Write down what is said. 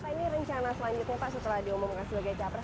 ini rencana selanjutnya pak setelah diumumkan sebagai capres